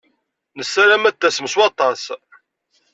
Nessaram ad d-tasem s waṭas.